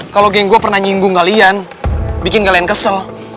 kalo geng gue pernah nyinggung kalian bikin kalian kesel